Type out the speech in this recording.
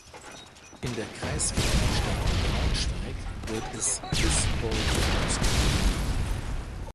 In der kreisfreien Stadt Braunschweig wird es bis heute ausgegeben.